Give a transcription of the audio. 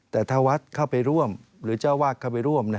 แต่ถ้าวัดเข้าไปร่วมหรือเจ้าวาดเข้าไปร่วม